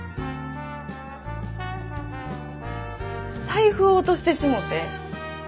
財布落としてしもて。